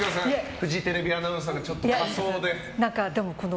フジテレビアナウンサーがちょっと仮装で。